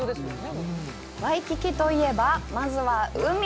ワイキキといえば、まずは海！